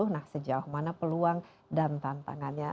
nah sejauh mana peluang dan tantangannya